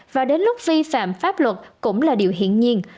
và đến lúc vi phạm pháp luật cũng là điều hiển nhiên